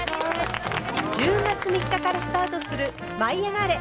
１０月３日からスタートする「舞いあがれ！」。